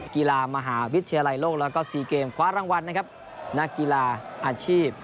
กีฬามหาวิทยาลัยโลกแล้วก็๔เกมคว้ารางวัลนะครับนักกีฬาอาชีพ